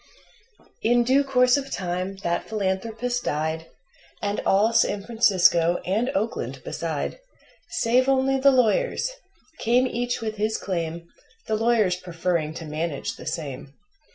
In due course of time that philanthropist died, And all San Francisco, and Oakland beside Save only the lawyers came each with his claim, The lawyers preferring to manage the same.